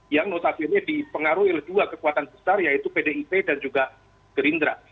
yang notabene dipengaruhi oleh dua kekuatan besar yaitu pdip dan juga gerindra